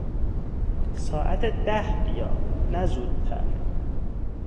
ساعت ده بیا، نه زودتر.